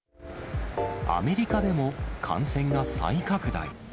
アメリカでも、感染が再拡大。